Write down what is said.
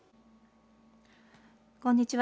こんにちは。